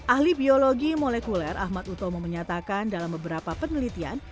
ahli biologi molekuler ahmad utomo menyatakan dalam beberapa penelitian